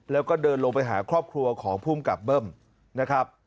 แล้วก็เดินลงไปหาครอบครัวของภูมิกับเบิ้มนะครับ